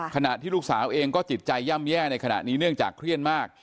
ขณะที่ลูกสาวเองก็จิตใจย่ำแย่ในขณะนี้เนื่องจากเครียดมาก